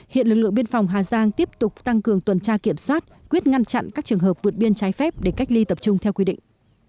hiện lực lượng biên phòng hà giang tiếp tục tăng cường tuần tra kiểm soát quyết ngăn chặn các trường hợp vượt biên trái phép để cách ly tập trung theo quy định